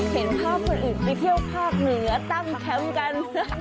เห็นภาพคนอื่นไปเที่ยวภาคเหนือตั้งแคมป์กัน